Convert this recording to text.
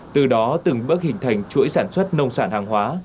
để đảm bảo việc sản xuất rau trong nhà màng nhà lưới